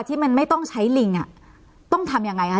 ที่มันไม่ต้องใช้ลิงอ่ะต้องทำยังไงคะ